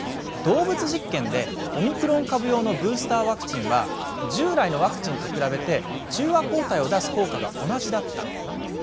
動物実験でオミクロン株用のブースターワクチンは従来のワクチンと比べて中和抗体を出す効果が同じだった。